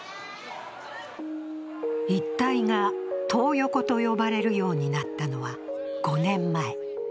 一帯がトー横と呼ばれるようになったのは５年前。